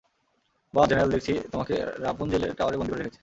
বাহ, জেনারেল দেখছি তোমাকে রাপুনজেলের টাওয়ারে বন্দি করে রেখেছে!